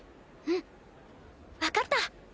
うん分かった。